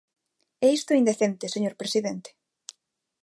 ¡E isto é indecente, señor presidente!